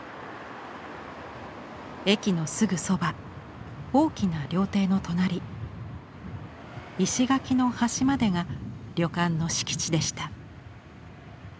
駅のすぐそば大きな料亭の隣石垣の端までが旅館の敷地でした。